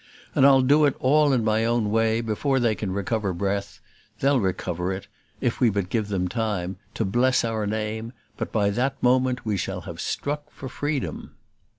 And I'll do it all in my own way, before they can recover breath; they'll recover it if we but give them time to bless our name; but by that moment we shall have struck for freedom!"